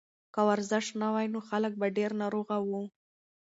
که ورزش نه وای نو خلک به ډېر ناروغه وو.